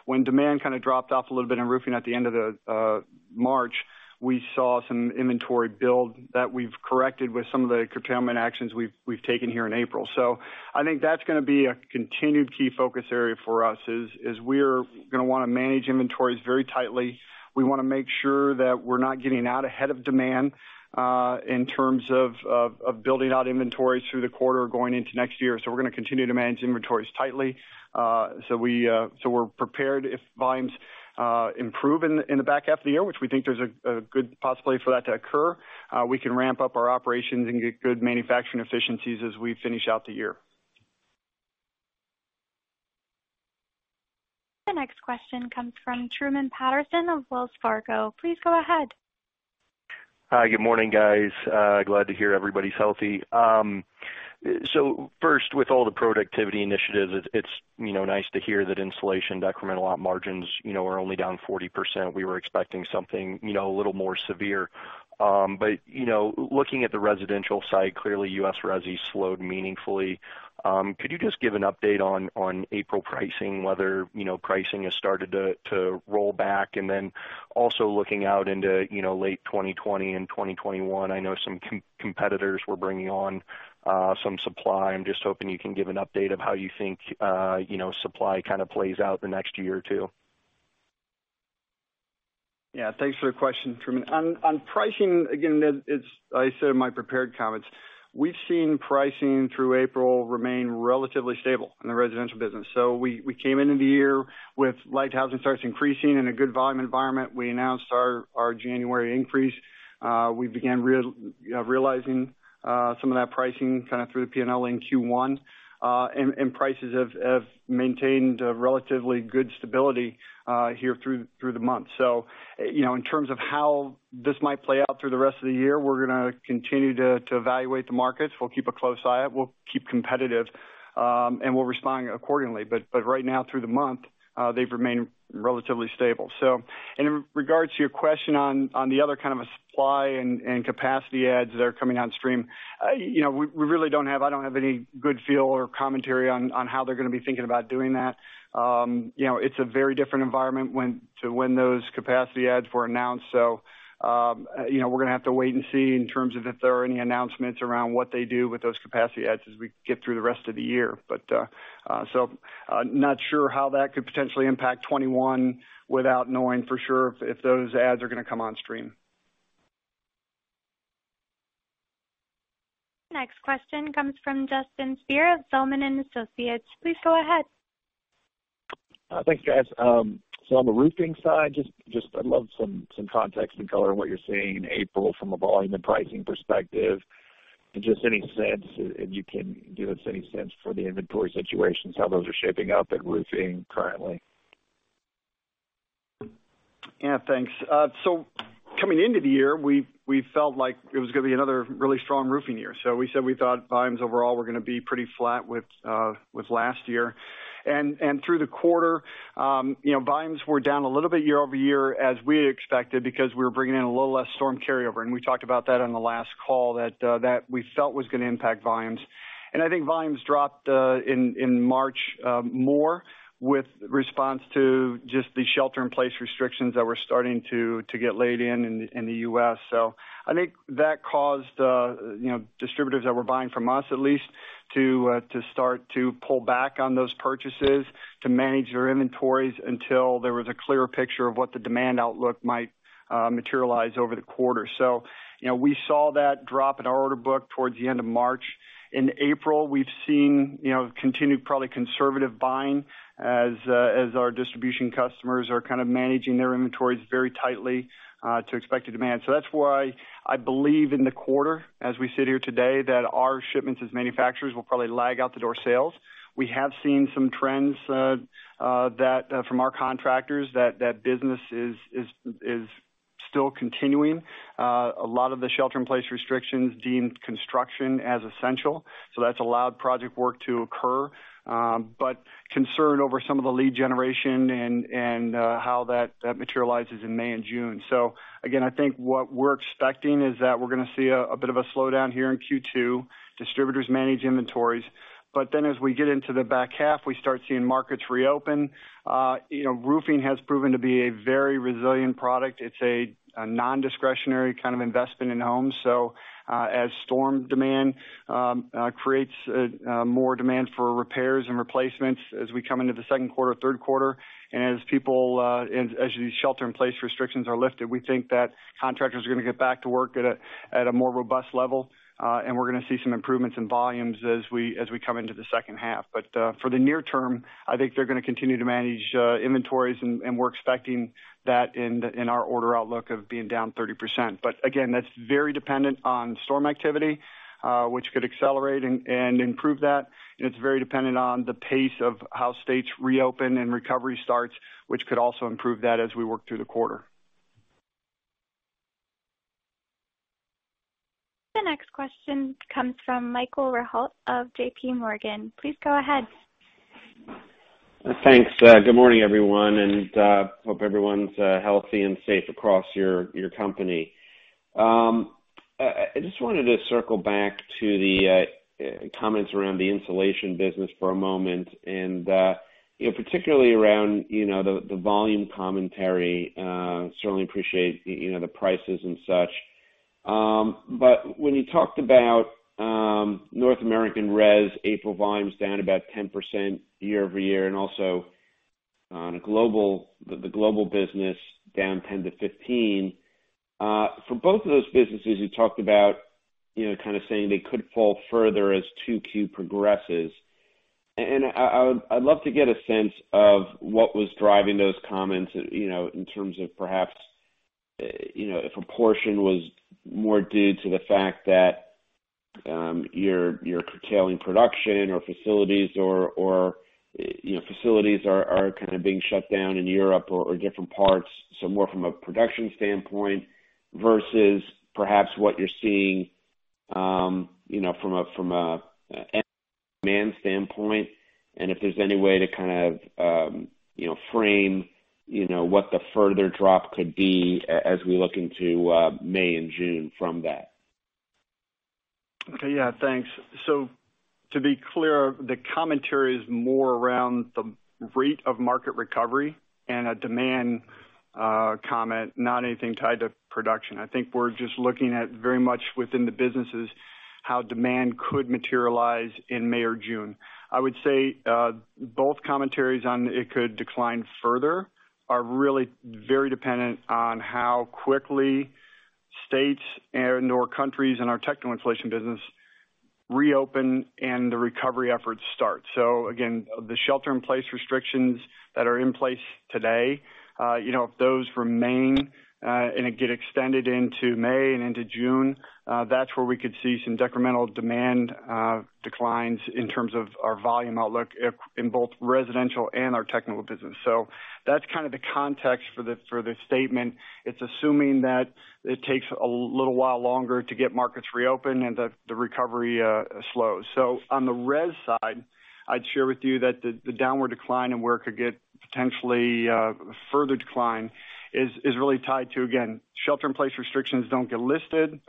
When demand kind of dropped off a little bit in Roofing at the end of March, we saw some inventory build that we've corrected with some of the curtailment actions we've taken here in April. So I think that's going to be a continued key focus area for us is we're going to want to manage inventories very tightly. We want to make sure that we're not getting out ahead of demand in terms of building out inventories through the quarter going into next year. So we're going to continue to manage inventories tightly. So we're prepared if volumes improve in the back half of the year, which we think there's a good possibility for that to occur. We can ramp up our operations and get good manufacturing efficiencies as we finish out the year. The next question comes from Truman Patterson of Wells Fargo. Please go ahead. Hi, good morning, guys. Glad to hear everybody's healthy. So first, with all the productivity initiatives, it's nice to hear that Insulation decremental op margins are only down 40%. We were expecting something a little more severe. But looking at the residential side, clearly U.S. resi slowed meaningfully. Could you just give an update on April pricing, whether pricing has started to roll back? And then also looking out into late 2020 and 2021, I know some competitors were bringing on some supply. I'm just hoping you can give an update of how you think supply kind of plays out the next year or two. Yeah. Thanks for the question, Truman. On pricing, again, I said in my prepared comments, we've seen pricing through April remain relatively stable in the residential business. So we came into the year with light housing starts increasing in a good volume environment. We announced our January increase. We began realizing some of that pricing kind of through the P&L in Q1. And prices have maintained relatively good stability here through the month. So in terms of how this might play out through the rest of the year, we're going to continue to evaluate the markets. We'll keep a close eye out. We'll keep competitive, and we'll respond accordingly. But right now, through the month, they've remained relatively stable. In regards to your question on the other kind of supply and capacity adds that are coming downstream, I don't have any good feel or commentary on how they're going to be thinking about doing that. It's a very different environment when those capacity adds were announced. We're going to have to wait and see in terms of if there are any announcements around what they do with those capacity adds as we get through the rest of the year. But I'm not sure how that could potentially impact 2021 without knowing for sure if those adds are going to come on stream. The next question comes from Justin Speer of Zelman & Associates. Please go ahead. Thanks, guys, so on the Roofing side, just I'd love some context and color on what you're seeing in April from a volume and pricing perspective. Just any sense if you can give us any sense for the inventory situations, how those are shaping up at Roofing currently? Yeah. Thanks. So coming into the year, we felt like it was going to be another really strong Roofing year. So we said we thought volumes overall were going to be pretty flat with last year. And through the quarter, volumes were down a little bit year over year as we expected because we were bringing in a little less storm carryover. And we talked about that on the last call that we felt was going to impact volumes. And I think volumes dropped in March more with response to just the shelter-in-place restrictions that were starting to get laid in in the U.S. So I think that caused distributors that were buying from us at least to start to pull back on those purchases to manage their inventories until there was a clearer picture of what the demand outlook might materialize over the quarter. So we saw that drop in our order book towards the end of March. In April, we've seen continued probably conservative buying as our distribution customers are kind of managing their inventories very tightly to expected demand. So that's why I believe in the quarter as we sit here today that our shipments as manufacturers will probably lag out the door sales. We have seen some trends from our contractors that that business is still continuing. A lot of the shelter-in-place restrictions deemed construction as essential. So that's allowed project work to occur. But concern over some of the lead generation and how that materializes in May and June. So again, I think what we're expecting is that we're going to see a bit of a slowdown here in Q2. Distributors manage inventories. But then as we get into the back half, we start seeing markets reopen. Roofing has proven to be a very resilient product. It's a non-discretionary kind of investment in homes, so as storm demand creates more demand for repairs and replacements as we come into the second quarter, third quarter, and as these shelter-in-place restrictions are lifted, we think that contractors are going to get back to work at a more robust level, and we're going to see some improvements in volumes as we come into the second half. But for the near term, I think they're going to continue to manage inventories, and we're expecting that in our order outlook of being down 30%, but again, that's very dependent on storm activity, which could accelerate and improve that, and it's very dependent on the pace of how states reopen and recovery starts, which could also improve that as we work through the quarter. The next question comes from Michael Rehaut of JPMorgan. Please go ahead. Thanks. Good morning, everyone. And hope everyone's healthy and safe across your company. I just wanted to circle back to the comments around the Insulation business for a moment and particularly around the volume commentary. Certainly appreciate the prices and such. But when you talked about North American res, April volumes down about 10% year over year and also the global business down 10%-15%. For both of those businesses, you talked about kind of saying they could fall further as Q2 progresses. And I'd love to get a sense of what was driving those comments in terms of perhaps if a portion was more due to the fact that you're curtailing production or facilities are kind of being shut down in Europe or different parts. So more from a production standpoint versus perhaps what you're seeing from a demand standpoint? And if there's any way to kind of frame what the further drop could be as we look into May and June from that? Okay. Yeah. Thanks. So to be clear, the commentary is more around the rate of market recovery and a demand comment, not anything tied to production. I think we're just looking at very much within the businesses how demand could materialize in May or June. I would say both commentaries on it could decline further are really very dependent on how quickly states and/or countries in our technical Insulation business reopen and the recovery efforts start. So again, the shelter-in-place restrictions that are in place today, if those remain and it gets extended into May and into June, that's where we could see some decremental demand declines in terms of our volume outlook in both residential and our technical business. So that's kind of the context for the statement. It's assuming that it takes a little while longer to get markets reopened and the recovery slows. So on the res side, I'd share with you that the downward decline and where it could get potentially further decline is really tied to, again, shelter-in-place restrictions don't get lifted.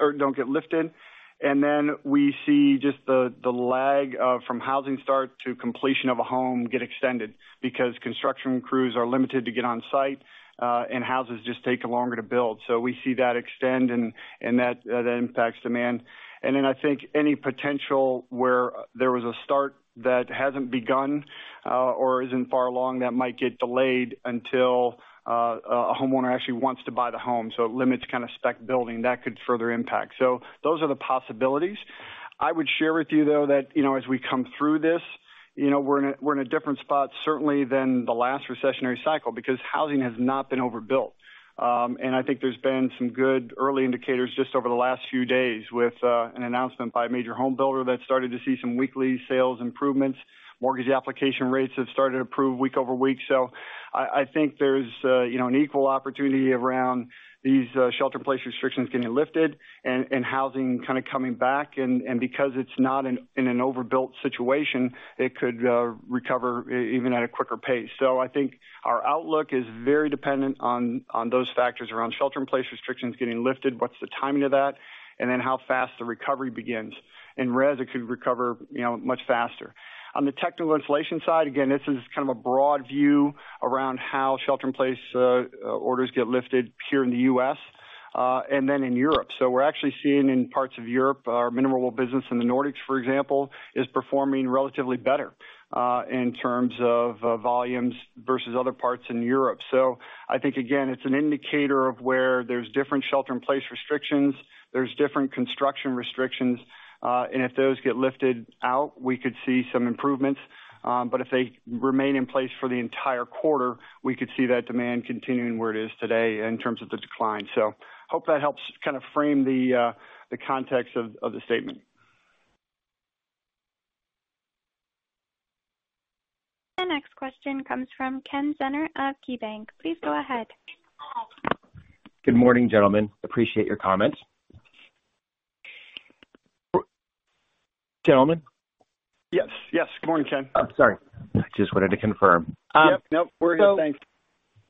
And then we see just the lag from housing start to completion of a home get extended because construction crews are limited to get on site and houses just take longer to build. So we see that extend and that impacts demand. And then I think any potential where there was a start that hasn't begun or isn't far along that might get delayed until a homeowner actually wants to buy the home. So it limits kind of spec building. That could further impact. So those are the possibilities. I would share with you, though, that as we come through this, we're in a different spot certainly than the last recessionary cycle because housing has not been overbuilt. I think there's been some good early indicators just over the last few days with an announcement by a major home builder that started to see some weekly sales improvements. Mortgage application rates have started to improve week over week. So I think there's an equal opportunity around these shelter-in-place restrictions getting lifted and housing kind of coming back. And because it's not in an overbuilt situation, it could recover even at a quicker pace. So I think our outlook is very dependent on those factors around shelter-in-place restrictions getting lifted, what's the timing of that, and then how fast the recovery begins. In res, it could recover much faster. On the technical Insulation side, again, this is kind of a broad view around how shelter-in-place orders get lifted here in the U.S. and then in Europe. So we're actually seeing in parts of Europe, our mineral wool business in the Nordics, for example, is performing relatively better in terms of volumes versus other parts in Europe. So I think, again, it's an indicator of where there's different shelter-in-place restrictions, there's different construction restrictions. And if those get lifted out, we could see some improvements. But if they remain in place for the entire quarter, we could see that demand continuing where it is today in terms of the decline. So hope that helps kind of frame the context of the statement. The next question comes from Ken Zener of KeyBanc. Please go ahead. Good morning, gentlemen. Appreciate your comments. Gentlemen? Yes. Yes. Good morning, Ken. I'm sorry. I just wanted to confirm. Yep. Nope. We're here. Thanks.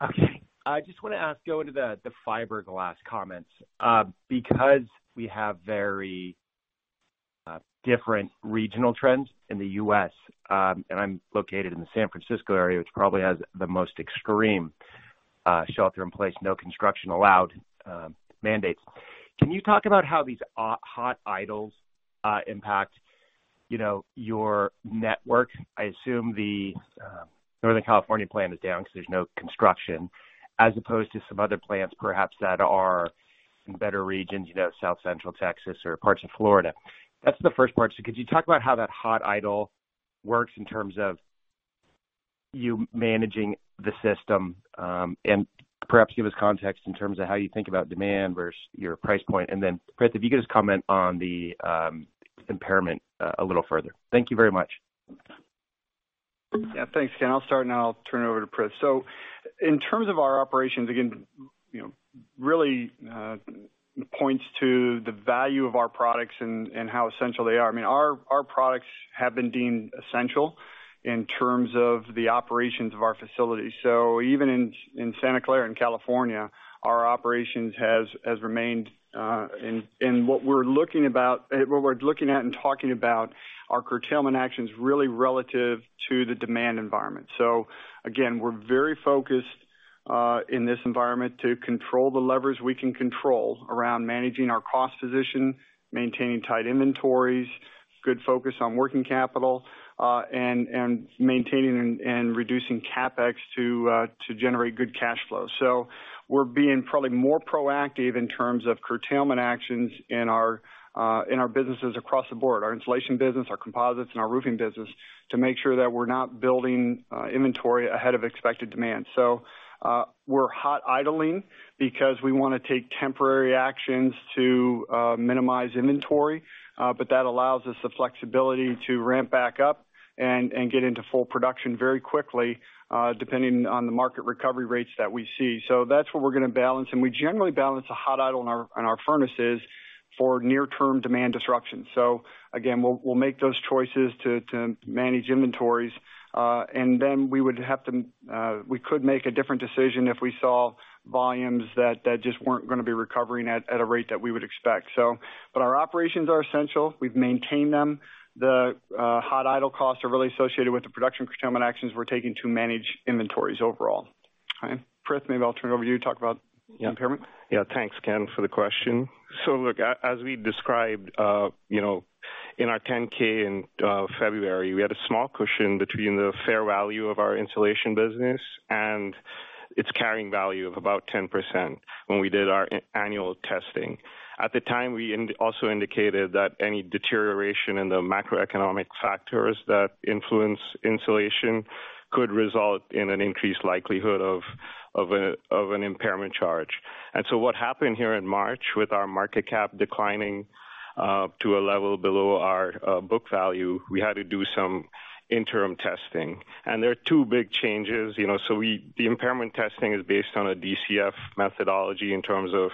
Okay.I just want to ask, going to the fiberglass comments, because we have very different regional trends in the U.S., and I'm located in the San Francisco area, which probably has the most extreme shelter-in-place, no construction allowed mandates. Can you talk about how these hot idles impact your network? I assume the Northern California plant is down because there's no construction, as opposed to some other plants perhaps that are in better regions, South Central Texas or parts of Florida. That's the first part. So could you talk about how that hot idle works in terms of you managing the system and perhaps give us context in terms of how you think about demand versus your price point? And then Prith, if you could just comment on the impairment a little further. Thank you very much. Yeah. Thanks, Ken. I'll start, and then I'll turn it over to Prith. So in terms of our operations, again, really points to the value of our products and how essential they are. I mean, our products have been deemed essential in terms of the operations of our facility. So even in Santa Clara in California, our operations have remained. And what we're looking about, what we're looking at and talking about are curtailment actions really relative to the demand environment. So again, we're very focused in this environment to control the levers we can control around managing our cost position, maintaining tight inventories, good focus on working capital, and maintaining and reducing CapEx to generate good cash flow. We're being probably more proactive in terms of curtailment actions in our businesses across the board, our Insulation business, our Composites, and our Roofing business to make sure that we're not building inventory ahead of expected demand. We're hot idling because we want to take temporary actions to minimize inventory. But that allows us the flexibility to ramp back up and get into full production very quickly depending on the market recovery rates that we see. That's what we're going to balance. We generally balance a hot idle on our furnaces for near-term demand disruption. Again, we'll make those choices to manage inventories. Then we could make a different decision if we saw volumes that just weren't going to be recovering at a rate that we would expect. Our operations are essential. We've maintained them. The hot idle costs are really associated with the production curtailment actions we're taking to manage inventories overall. Okay. Prith, maybe I'll turn it over to you to talk about the impairment. Yeah. Thanks, Ken, for the question. So look, as we described, in our 10-K in February, we had a small cushion between the fair value of our Insulation business and its carrying value of about 10% when we did our annual testing. At the time, we also indicated that any deterioration in the macroeconomic factors that influence Insulation could result in an increased likelihood of an impairment charge, and so what happened here in March with our market cap declining to a level below our book value, we had to do some interim testing, and there are two big changes, so the impairment testing is based on a DCF methodology in terms of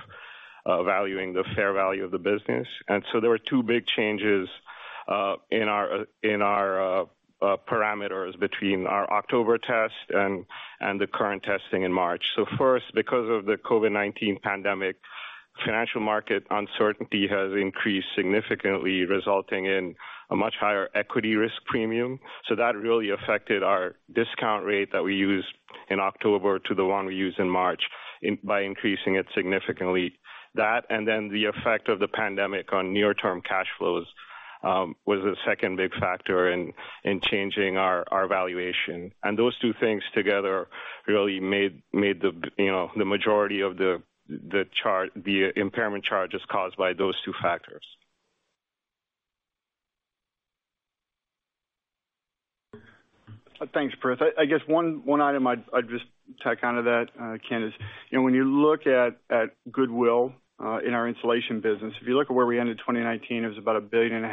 valuing the fair value of the business, and so there were two big changes in our parameters between our October test and the current testing in March. So first, because of the COVID-19 pandemic, financial market uncertainty has increased significantly, resulting in a much higher equity risk premium. So that really affected our discount rate that we used in October to the one we used in March by increasing it significantly. That, and then the effect of the pandemic on near-term cash flows was the second big factor in changing our valuation. And those two things together really made the majority of the impairment charges caused by those two factors. Thanks, Prith. I guess one item I'd just tack on to that, Ken, is when you look at goodwill in our Insulation business, if you look at where we ended 2019, it was about $1.5 billion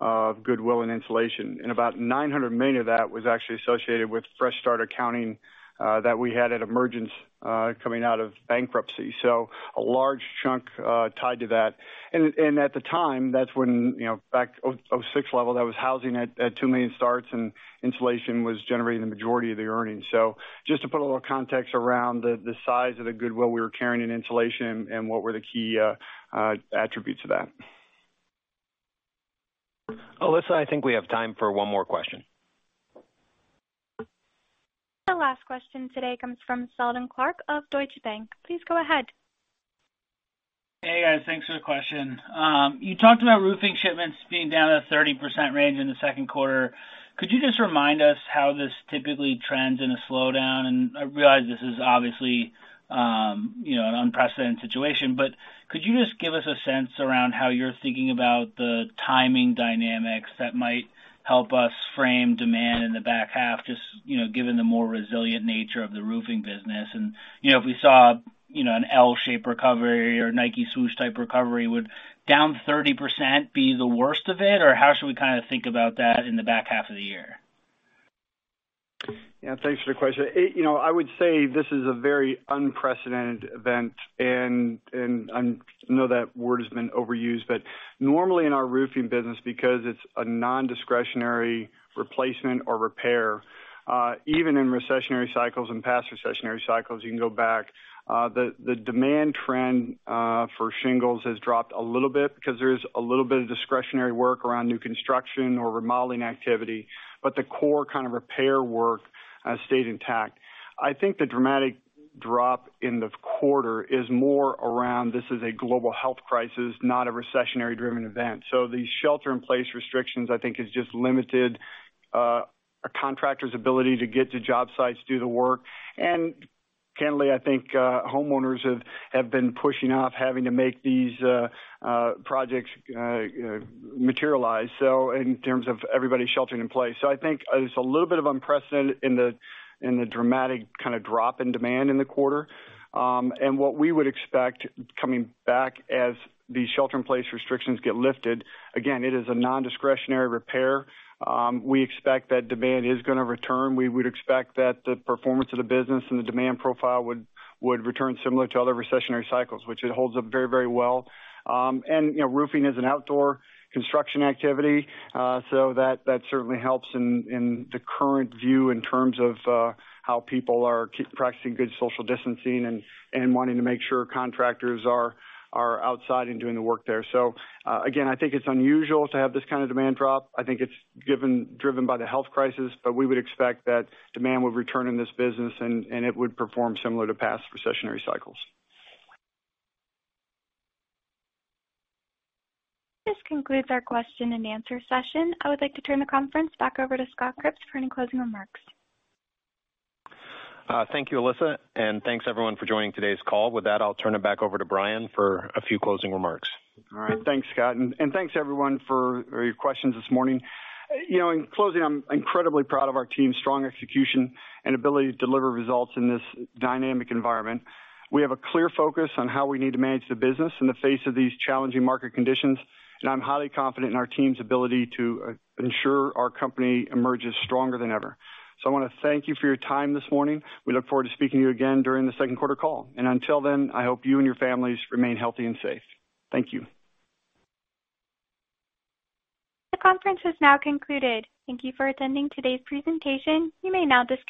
of goodwill in Insulation. And about $900 million of that was actually associated with fresh start accounting that we had at emergence coming out of bankruptcy. So a large chunk tied to that. At the time, that's when back 2006 level, that was housing at 2 million starts, and Insulation was generating the majority of the earnings. So just to put a little context around the size of the goodwill we were carrying in Insulation and what were the key attributes of that. Alyssa, I think we have time for one more question. The last question today comes from Seldon Clarke of Deutsche Bank. Please go ahead. Hey, guys. Thanks for the question. You talked about Roofing shipments being down in the 30% range in the second quarter. Could you just remind us how this typically trends in a slowdown? And I realize this is obviously an unprecedented situation, but could you just give us a sense around how you're thinking about the timing dynamics that might help us frame demand in the back half, just given the more resilient nature of the Roofing business? And if we saw an L-shaped recovery or Nike Swoosh-type recovery, would down 30% be the worst of it? Or how should we kind of think about that in the back half of the year? Yeah. Thanks for the question. I would say this is a very unprecedented event. And I know that word has been overused, but normally in our Roofing business, because it's a non-discretionary replacement or repair, even in recessionary cycles and past recessionary cycles, you can go back, the demand trend for shingles has dropped a little bit because there's a little bit of discretionary work around new construction or remodeling activity. But the core kind of repair work has stayed intact. I think the dramatic drop in the quarter is more around this is a global health crisis, not a recessionary-driven event. So these shelter-in-place restrictions, I think, have just limited a contractor's ability to get to job sites, do the work. And candidly, I think homeowners have been pushing off having to make these projects materialize in terms of everybody sheltering in place. So, I think it's a little bit unprecedented in the dramatic kind of drop in demand in the quarter. And what we would expect coming back as these shelter-in-place restrictions get lifted. Again, it is a non-discretionary repair. We expect that demand is going to return. We would expect that the performance of the business and the demand profile would return similar to other recessionary cycles, which it holds up very, very well. And Roofing is an outdoor construction activity. So that certainly helps in the current view in terms of how people are practicing good social distancing and wanting to make sure contractors are outside and doing the work there. So again, I think it's unusual to have this kind of demand drop. I think it's driven by the health crisis, but we would expect that demand would return in this business, and it would perform similar to past recessionary cycles. This concludes our question and answer session. I would like to turn the conference back over to Scott Cripps for any closing remarks. Thank you, Alyssa. Thanks, everyone, for joining today's call. With that, I'll turn it back over to Brian for a few closing remarks. All right. Thanks, Scott. And thanks, everyone, for your questions this morning. In closing, I'm incredibly proud of our team's strong execution and ability to deliver results in this dynamic environment. We have a clear focus on how we need to manage the business in the face of these challenging market conditions. And I'm highly confident in our team's ability to ensure our company emerges stronger than ever. So I want to thank you for your time this morning. We look forward to speaking to you again during the second quarter call. And until then, I hope you and your families remain healthy and safe. Thank you. The conference has now concluded. Thank you for attending today's presentation. You may now disconnect.